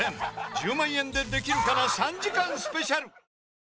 『１０万円でできるかな』３時間スペシャル